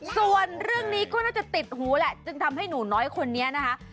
ส่วนเรื่องนี้ก็น่าจะติดหูแหละจึงทำให้หนูน้อยคนนี้นะคะ